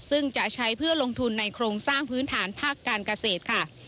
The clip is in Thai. ซึ่งจะใช้เพื่อลงทุนในโครงสร้างพื้นฐานภาคการเกษตรค่ะ